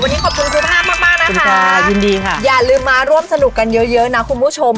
วันนี้ขอบคุณภูมิภาพมากนะคะอย่าลืมมาร่วมสนุกกันเยอะนะคุณผู้ชม